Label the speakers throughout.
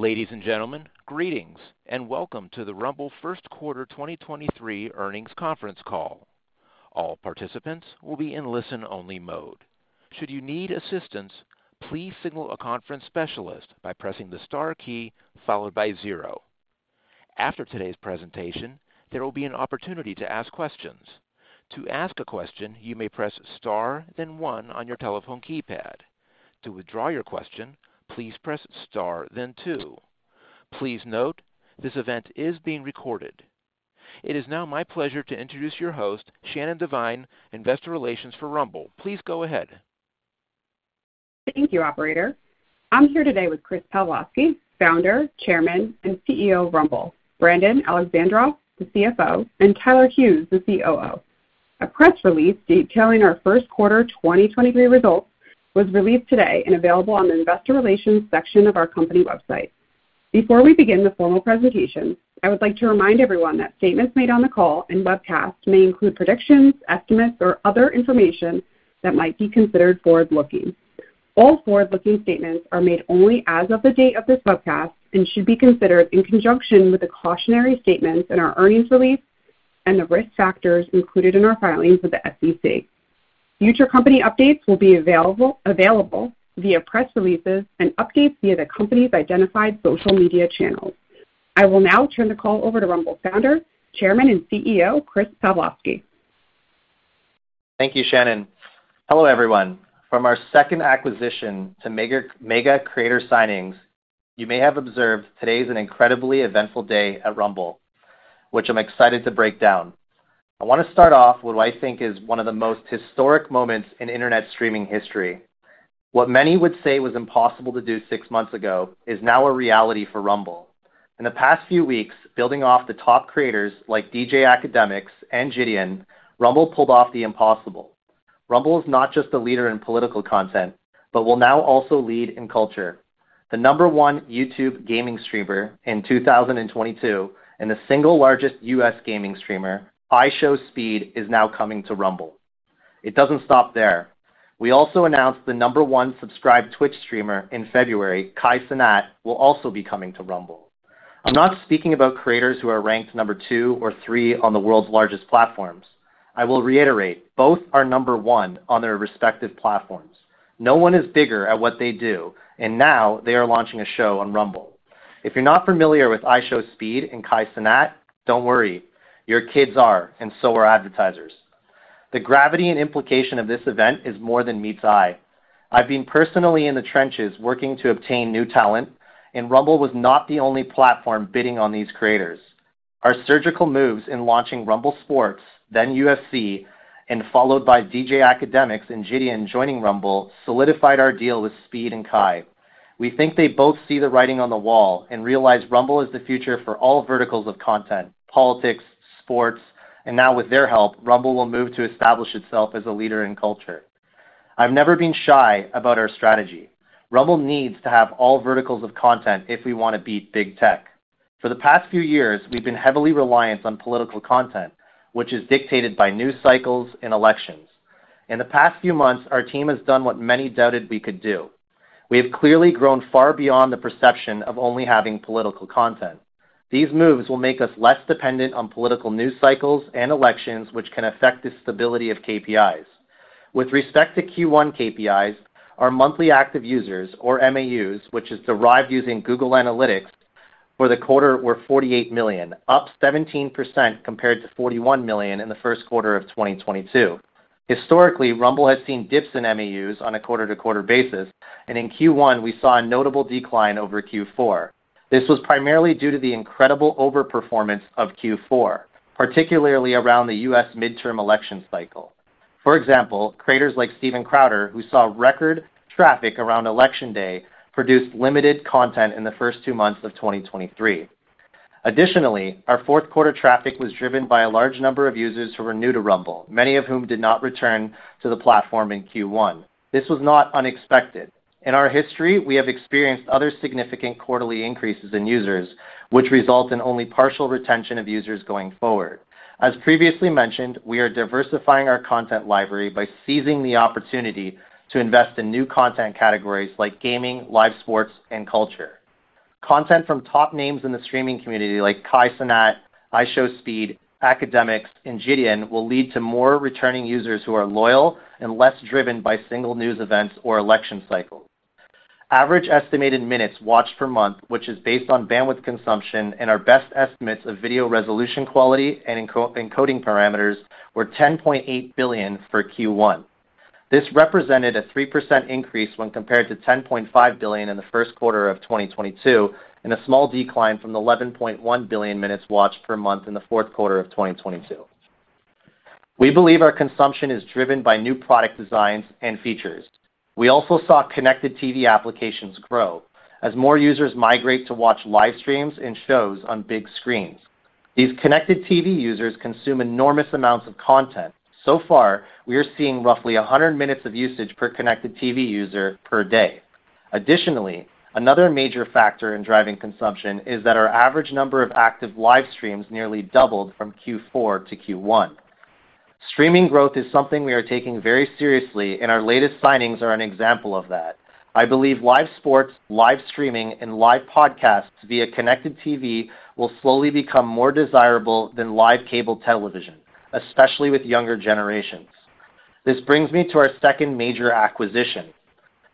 Speaker 1: Ladies and gentlemen, greetings, welcome to the Rumble first quarter 2023 earnings conference call. All participants will be in listen-only mode. Should you need assistance, please signal a conference specialist by pressing the star key followed by zero. After today's presentation, there will be an opportunity to ask questions. To ask a question, you may press star, then one on your telephone keypad. To withdraw your question, please press star then two. Please note, this event is being recorded. It is now my pleasure to introduce your host, Shannon Devine, investor relations for Rumble. Please go ahead.
Speaker 2: Thank you, operator. I'm here today with Chris Pavlovski, Founder, Chairman, and CEO of Rumble, Brandon Alexandroff, the CFO, and Tyler Hughes, the COO. A press release detailing our first quarter 2023 results was released today and available on the investor relations section of our company website. Before we begin the formal presentation, I would like to remind everyone that statements made on the call and webcast may include predictions, estimates, or other information that might be considered forward-looking. All forward-looking statements are made only as of the date of this webcast and should be considered in conjunction with the cautionary statements in our earnings release and the risk factors included in our filings with the SEC. Future company updates will be available via press releases and updates via the company's identified social media channels. I will now turn the call over to Rumble Founder, Chairman, and CEO, Chris Pavlovski.
Speaker 3: Thank you, Shannon. Hello, everyone. From our second acquisition to mega creator signings, you may have observed today is an incredibly eventful day at Rumble, which I'm excited to break down. I wanna start off what I think is one of the most historic moments in internet streaming history. What many would say was impossible to do six months ago is now a reality for Rumble. In the past few weeks, building off the top creators like DJ Akademiks and JiDion, Rumble pulled off the impossible. Rumble is not just a leader in political content, but will now also lead in culture. The number-one YouTube gaming streamer in 2022, and the single largest U.S. gaming streamer, IShowSpeed, is now coming to Rumble. It doesn't stop there. We also announced the number-one subscribed Twitch streamer in February, Kai Cenat, will also be coming to Rumble. I'm not speaking about creators who are ranked number two or three on the world's largest platforms. I will reiterate, both are number one on their respective platforms. No one is bigger at what they do, and now they are launching a show on Rumble. If you're not familiar with IShowSpeed and Kai Cenat, don't worry, your kids are, and so are advertisers. The gravity and implication of this event is more than meets the eye. I've been personally in the trenches working to obtain new talent, and Rumble was not the only platform bidding on these creators. Our surgical moves in launching Rumble Sports, then UFC, and followed by DJ Akademiks and JiDion joining Rumble solidified our deal with Speed and Kai. We think they both see the writing on the wall and realize Rumble is the future for all verticals of content: politics, sports, and now with their help, Rumble will move to establish itself as a leader in culture. I've never been shy about our strategy. Rumble needs to have all verticals of content if we wanna beat big tech. For the past few years, we've been heavily reliant on political content, which is dictated by news cycles and elections. In the past few months, our team has done what many doubted we could do. We have clearly grown far beyond the perception of only having political content. These moves will make us less dependent on political news cycles and elections, which can affect the stability of KPIs. With respect to Q1 KPIs, our monthly active users or MAUs, which is derived using Google Analytics for the quarter were 48 million, up 17% compared to 41 million in the first quarter of 2022. Historically, Rumble has seen dips in MAUs on a quarter-to-quarter basis, and in Q1, we saw a notable decline over Q4. This was primarily due to the incredible overperformance of Q4, particularly around the U.S. midterm election cycle. For example, creators like Steven Crowder, who saw record traffic around election day, produced limited content in the first two months of 2023. Additionally, our fourth quarter traffic was driven by a large number of users who were new to Rumble, many of whom did not return to the platform in Q1. This was not unexpected. In our history, we have experienced other significant quarterly increases in users, which result in only partial retention of users going forward. As previously mentioned, we are diversifying our content library by seizing the opportunity to invest in new content categories like gaming, live sports, and culture. Content from top names in the streaming community like Kai Cenat, IShowSpeed, Akademiks, and JiDion will lead to more returning users who are loyal and less driven by single news events or election cycles. Average estimated minutes watched per month, which is based on bandwidth consumption and our best estimates of video resolution quality and encoding parameters, were 10.8 billion for Q1. This represented a 3% increase when compared to $10.5 billion in the first quarter of 2022, and a small decline from the $11.1 billion minutes watched per month in the fourth quarter of 2022. We believe our consumption is driven by new product designs and features. We also saw Connected TV applications grow as more users migrate to watch live streams and shows on big screens. These Connected TV users consume enormous amounts of content. So far, we are seeing roughly 100 minutes of usage per Connected TV user per day. Additionally, another major factor in driving consumption is that our average number of active live streams nearly doubled from Q4 to Q1. Streaming growth is something we are taking very seriously, and our latest signings are an example of that. I believe live sports, live streaming, and live podcasts via Connected TV will slowly become more desirable than live cable television, especially with younger generations. This brings me to our second major acquisition.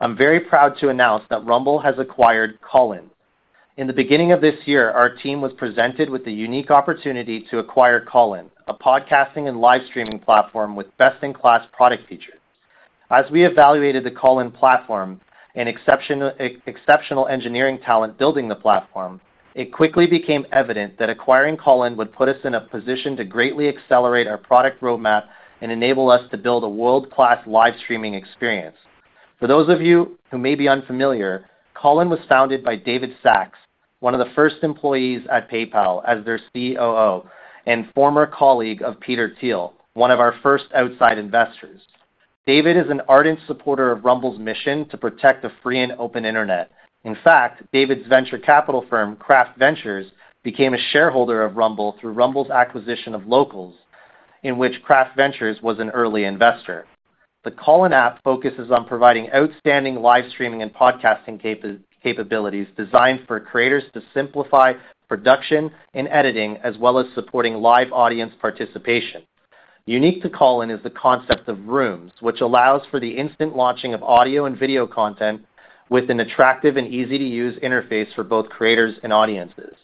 Speaker 3: I'm very proud to announce that Rumble has acquired Callin. In the beginning of this year, our team was presented with the unique opportunity to acquire Callin, a podcasting and live streaming platform with best-in-class product features. As we evaluated the Callin platform and exceptional engineering talent building the platform, it quickly became evident that acquiring Callin would put us in a position to greatly accelerate our product roadmap and enable us to build a world-class live streaming experience. For those of you who may be unfamiliar, Callin was founded by David Sacks, one of the first employees at PayPal as their COO and former colleague of Peter Thiel, one of our first outside investors. David is an ardent supporter of Rumble's mission to protect the free and open internet. In fact, David's venture capital firm, Craft Ventures, became a shareholder of Rumble through Rumble's acquisition of Locals, in which Craft Ventures was an early investor. The Callin app focuses on providing outstanding live streaming and podcasting capabilities designed for creators to simplify production and editing, as well as supporting live audience participation. Unique to Callin is the concept of rooms, which allows for the instant launching of audio and video content with an attractive and easy-to-use interface for both creators and audiences.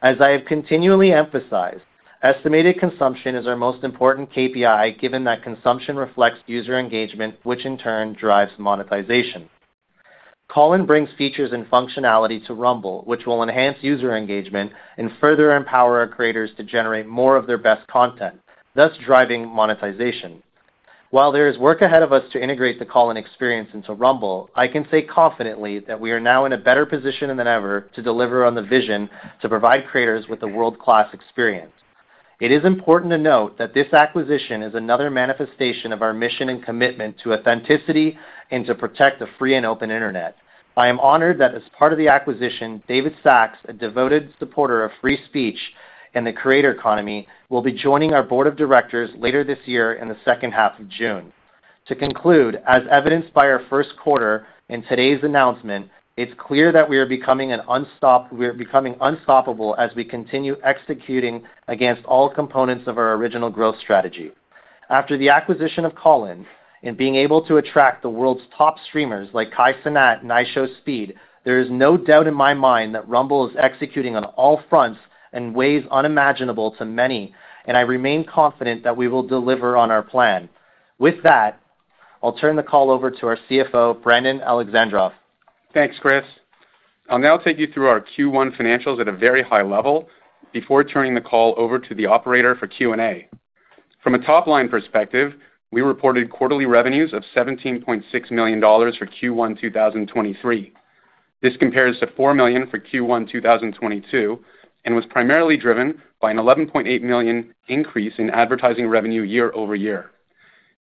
Speaker 3: As I have continually emphasized, estimated consumption is our most important KPI, given that consumption reflects user engagement, which in turn drives monetization. Callin brings features and functionality to Rumble, which will enhance user engagement and further empower our creators to generate more of their best content, thus driving monetization. While there is work ahead of us to integrate the Callin experience into Rumble, I can say confidently that we are now in a better position than ever to deliver on the vision to provide creators with a world-class experience. It is important to note that this acquisition is another manifestation of our mission and commitment to authenticity and to protect the free and open internet. I am honored that as part of the acquisition, David Sacks, a devoted supporter of free speech and the creator economy, will be joining our board of directors later this year in the second half of June. To conclude, as evidenced by our first quarter and today's announcement, it's clear that we are becoming unstoppable as we continue executing against all components of our original growth strategy. After the acquisition of Callin and being able to attract the world's top streamers like Kai Cenat and IShowSpeed, there is no doubt in my mind that Rumble is executing on all fronts in ways unimaginable to many. I remain confident that we will deliver on our plan. With that, I'll turn the call over to our CFO, Brandon Alexandroff.
Speaker 4: Thanks, Chris. I'll now take you through our Q1 financials at a very high level before turning the call over to the operator for Q&A. From a top-line perspective, we reported quarterly revenues of $17.6 million for Q1 2023. This compares to $4 million for Q1 2022, and was primarily driven by an $11.8 million increase in advertising revenue year-over-year.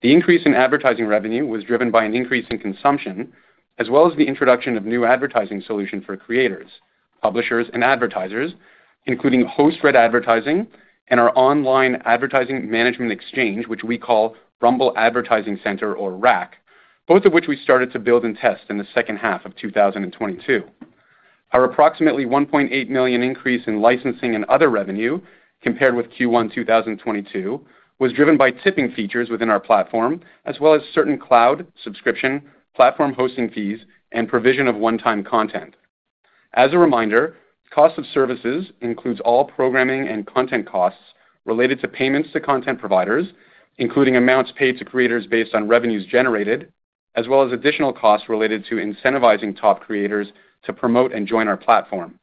Speaker 4: The increase in advertising revenue was driven by an increase in consumption as well as the introduction of new advertising solution for creators, publishers, and advertisers, including host-read advertising and our online advertising management exchange, which we call Rumble Advertising Center or RAC, both of which we started to build and test in the second half of 2022. Our approximately $1.8 million increase in licensing and other revenue compared with Q1 2022 was driven by tipping features within our platform, as well as certain cloud subscription, platform hosting fees, and provision of one-time content. As a reminder, cost of services includes all programming and content costs related to payments to content providers, including amounts paid to creators based on revenues generated, as well as additional costs related to incentivizing top creators to promote and join our platform.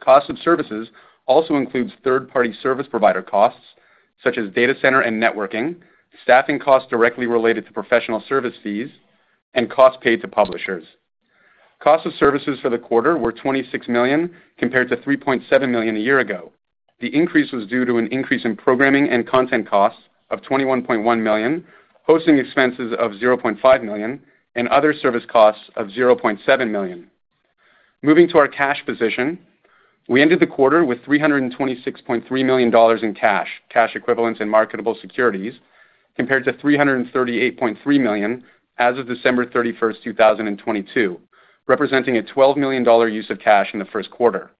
Speaker 4: Cost of services also includes third-party service provider costs, such as data center and networking, staffing costs directly related to professional service fees, and costs paid to publishers. Cost of services for the quarter were $26 million compared to $3.7 million a year ago. The increase was due to an increase in programming and content costs of $21.1 million, hosting expenses of $0.5 million, and other service costs of $0.7 million. Moving to our cash position, we ended the quarter with $326.3 million in cash equivalents, and marketable securities, compared to $338.3 million as of December 31, 2022, representing a $12 million use of cash in the first quarter.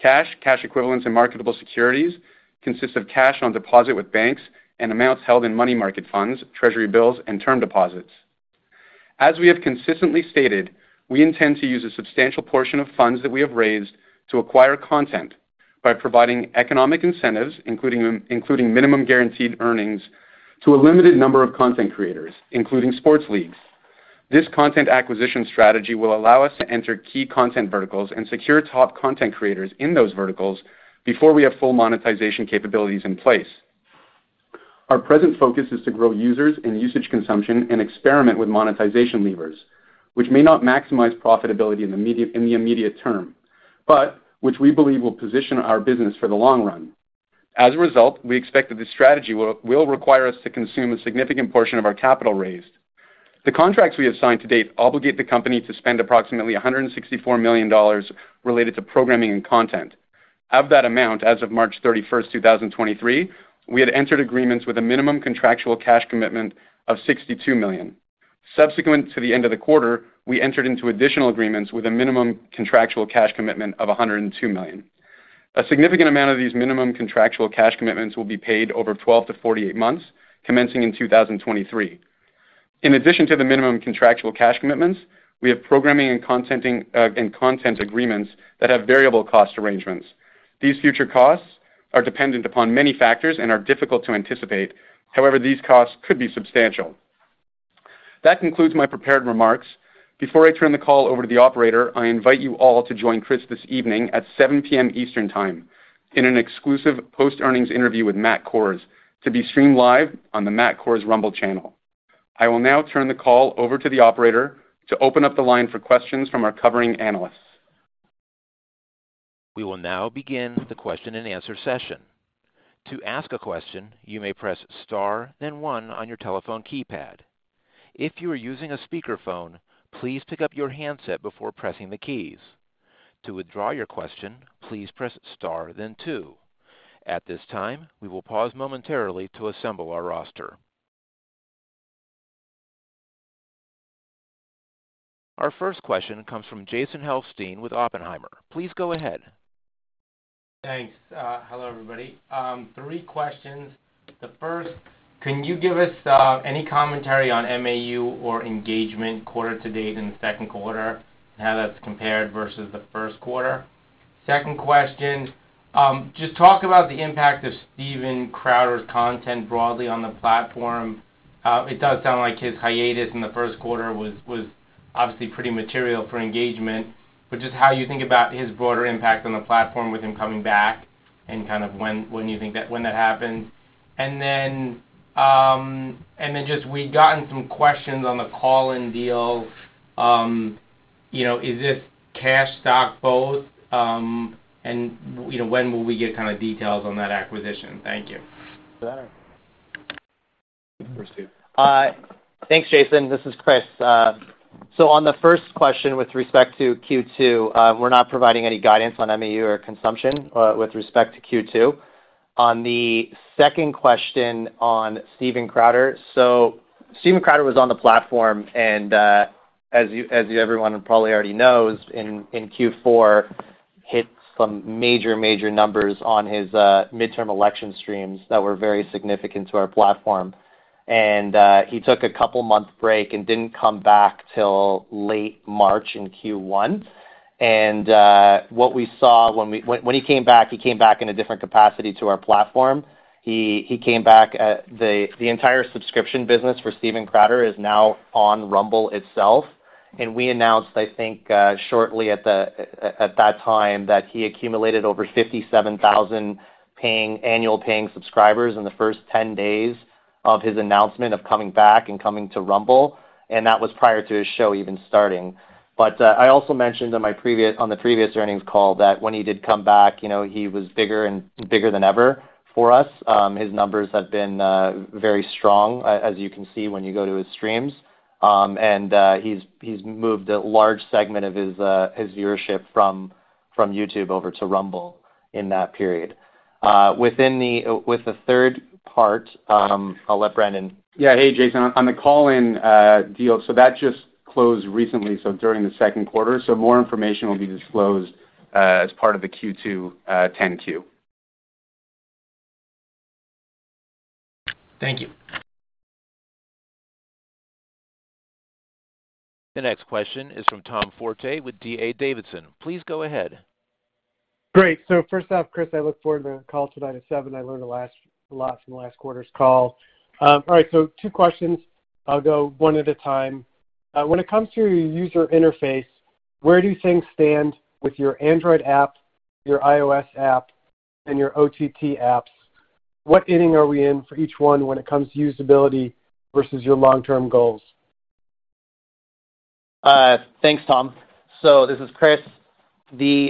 Speaker 4: Cash, cash equivalents, and marketable securities consist of cash on deposit with banks and amounts held in money market funds, treasury bills, and term deposits. As we have consistently stated, we intend to use a substantial portion of funds that we have raised to acquire content by providing economic incentives, including minimum guaranteed earnings to a limited number of content creators, including sports leagues. This content acquisition strategy will allow us to enter key content verticals and secure top content creators in those verticals before we have full monetization capabilities in place. Our present focus is to grow users and usage consumption and experiment with monetization levers, which may not maximize profitability in the immediate term, but which we believe will position our business for the long run. As a result, we expect that this strategy will require us to consume a significant portion of our capital raised. The contracts we have signed to date obligate the company to spend approximately $164 million related to programming and content. Of that amount, as of March 31, 2023, we had entered agreements with a minimum contractual cash commitment of $62 million. Subsequent to the end of the quarter, we entered into additional agreements with a minimum contractual cash commitment of $102 million. A significant amount of these minimum contractual cash commitments will be paid over 12-48 months, commencing in 2023. In addition to the minimum contractual cash commitments, we have programming and content agreements that have variable cost arrangements. These future costs are dependent upon many factors and are difficult to anticipate. However, these costs could be substantial. That concludes my prepared remarks. Before I turn the call over to the operator, I invite you all to join Chris this evening at 7:00 P.M. Eastern Time in an exclusive post-earnings interview with Matt Kohrs to be streamed live on the Matt Kohrs Rumble channel. I will now turn the call over to the operator to open up the line for questions from our covering analysts.
Speaker 1: We will now begin the question and answer session. To ask a question, you may press star, then one on your telephone keypad. If you are using a speakerphone, please pick up your handset before pressing the keys. To withdraw your question, please press star then two. At this time, we will pause momentarily to assemble our roster. Our first question comes from Jason Helfstein with Oppenheimer. Please go ahead.
Speaker 5: Thanks. Hello, everybody. three questions. The first, can you give us any commentary on MAU or engagement quarter to date in the second quarter and how that's compared versus the first quarter? Second question, just talk about the impact of Steven Crowder's content broadly on the platform. It does sound like his hiatus in the first quarter was obviously pretty material for engagement, but just how you think about his broader impact on the platform with him coming back and kind of when that happens. Just we've gotten some questions on the Callin deal. You know, is this cash stock both? You know, when will we get kind of details on that acquisition? Thank you.
Speaker 4: Sure.Chris.
Speaker 3: Thanks, Jason. This is Chris. On the first question with respect to Q2, we're not providing any guidance on MAU or consumption with respect to Q2. On the second question on Steven Crowder, Steven Crowder was on the platform, as you, as everyone probably already knows, in Q4, hit some major numbers on his midterm election streams that were very significant to our platform. He took a couple month break and didn't come back till late March in Q1. What we saw when he came back, he came back in a different capacity to our platform. He came back at the entire subscription business for Steven Crowder is now on Rumble itself. We announced, I think, shortly at that time that he accumulated over 57,000 annual paying subscribers in the first 10 days of his announcement of coming back and coming to Rumble, and that was prior to his show even starting. I also mentioned on the previous earnings call that when he did come back, you know, he was bigger and bigger than ever for us. His numbers have been very strong, as you can see when you go to his streams. He's moved a large segment of his viewership from YouTube over to Rumble in that period. With the third part, I'll let Brandon-
Speaker 4: Yeah. Hey, Jason. On the Callin deal, so that just closed recently, so during the second quarter. More information will be disclosed as part of the Q2 10-Q.
Speaker 5: Thank you.
Speaker 1: The next question is from Tom Forte with D.A. Davidson. Please go ahead.
Speaker 6: Great. First off, Chris, I look forward to the call tonight at 7:00. I learned a lot from last quarter's call. All right, two questions. I'll go one at a time. When it comes to your user interface, where do things stand with your Android app, your iOS app, and your OTT apps? What inning are we in for each one when it comes to usability versus your long-term goals?
Speaker 3: Thanks, Tom. This is Chris.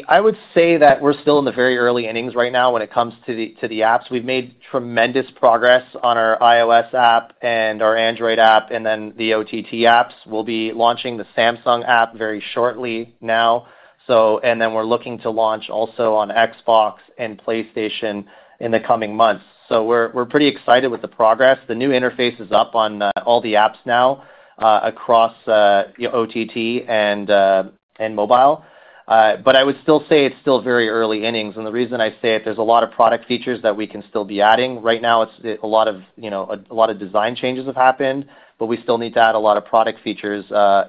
Speaker 3: I would say that we're still in the very early innings right now when it comes to the apps. We've made tremendous progress on our iOS app and our Android app, and then the OTT apps. We'll be launching the Samsung app very shortly now, so, and then we're looking to launch also on Xbox and PlayStation in the coming months. We're pretty excited with the progress. The new interface is up on all the apps now across OTT and mobile. I would still say it's still very early innings, and the reason I say it, there's a lot of product features that we can still be adding. Right now, it's a lot of, you know, a lot of design changes have happened, we still need to add a lot of product features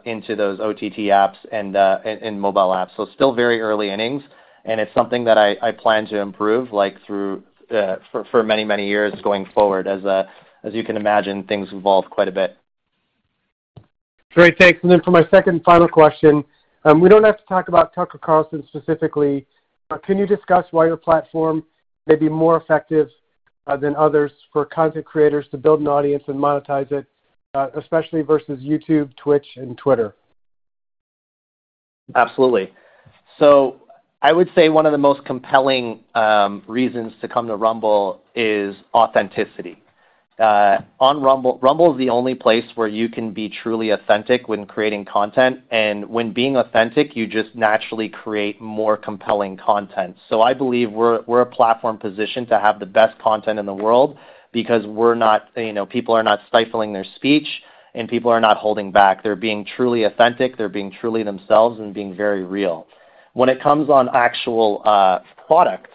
Speaker 3: into those OTT apps and mobile apps. It's still very early innings, and it's something that I plan to improve, like, through for many, many years going forward. As you can imagine, things evolve quite a bit.
Speaker 6: Great. Thanks. For my second final question, we don't have to talk about Tucker Carlson specifically, but can you discuss why your platform may be more effective than others for content creators to build an audience and monetize it, especially versus YouTube, Twitch, and Twitter?
Speaker 3: Absolutely. I would say one of the most compelling reasons to come to Rumble is authenticity. Rumble is the only place where you can be truly authentic when creating content and when being authentic, you just naturally create more compelling content. I believe we're a platform positioned to have the best content in the world because we're not, you know, people are not stifling their speech and people are not holding back. They're being truly authentic. They're being truly themselves and being very real. When it comes on actual product,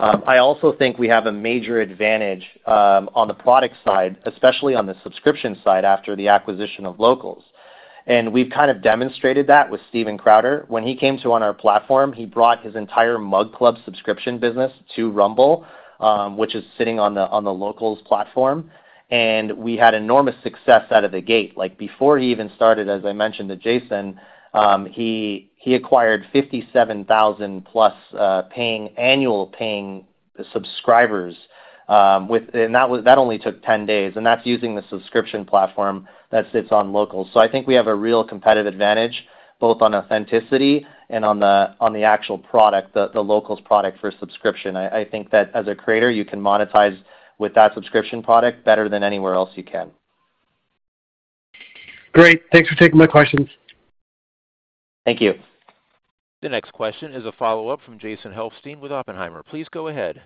Speaker 3: I also think we have a major advantage on the product side, especially on the subscription side, after the acquisition of Locals. We've kind of demonstrated that with Steven Crowder. When he came to on our platform, he brought his entire MugClub subscription business to Rumble, which is sitting on the Locals platform. We had enormous success out of the gate. Like, before he even started, as I mentioned to Jason, he acquired 57,000+ paying annual paying subscribers, and that only took 10 days, and that's using the subscription platform that sits on Locals. I think we have a real competitive advantage both on authenticity and on the actual product, the Locals product for subscription. I think that as a creator, you can monetize with that subscription product better than anywhere else you can.
Speaker 6: Great. Thanks for taking my questions.
Speaker 3: Thank you.
Speaker 1: The next question is a follow-up from Jason Helfstein with Oppenheimer. Please go ahead.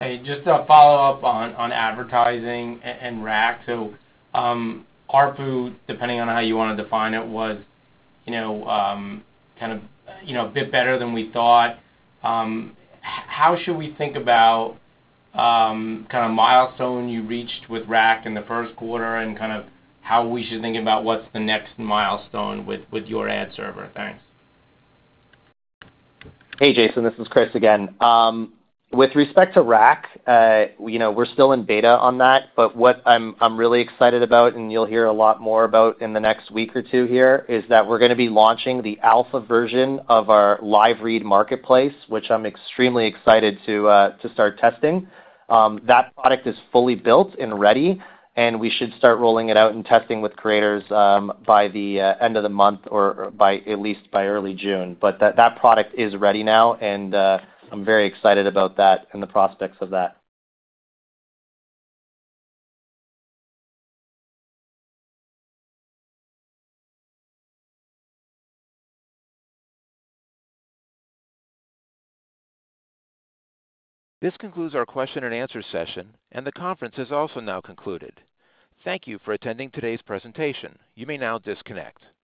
Speaker 5: Hey, just a follow-up on advertising and RAC. ARPU, depending on how you wanna define it, was, you know, kind of, you know, a bit better than we thought. How should we think about, kind of milestone you reached with RAC in the first quarter and kind of how we should think about what's the next milestone with your ad server? Thanks.
Speaker 3: Hey, Jason, this is Chris again. With respect to RAC, you know, we're still in beta on that, but what I'm really excited about and you'll hear a lot more about in the next week or two here, is that we're gonna be launching the alpha version of our live read marketplace, which I'm extremely excited to start testing. That product is fully built and ready, and we should start rolling it out and testing with creators by the end of the month or by at least by early June. That product is ready now, and I'm very excited about that and the prospects of that.
Speaker 1: This concludes our question and answer session, and the conference is also now concluded. Thank you for attending today's presentation. You may now disconnect.